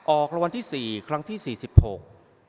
ออกรางวัลที่สี่ครั้งที่สี่สิบหก